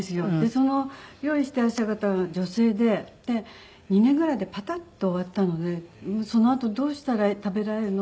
その料理していらっしゃる方が女性で２年ぐらいでパタッと終わったのでそのあとどうしたら食べられるの？